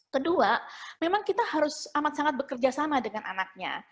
kedua memang kita harus amat sangat bekerja sama dengan anaknya